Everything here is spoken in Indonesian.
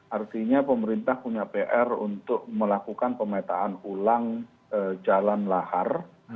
artinya pemerintah punya pr untuk melakukan pemetaan ulang jalan lahar